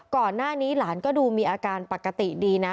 ก่อนหน้านี้หลานก็ดูมีอาการปกติดีนะ